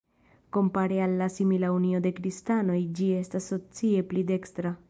Kompare al la simila Unio de Kristanoj ĝi estas socie pli dekstra.